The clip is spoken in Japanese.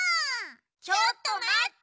ちょっとまって！